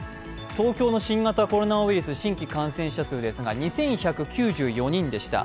東京の新型コロナウイルス新規感染者数ですが２１９４人でした。